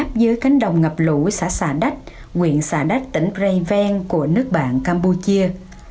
gáp dưới cánh đồng ngập lũ xã xà đách quyện xà đách tỉnh prey ven của nước bạn campuchia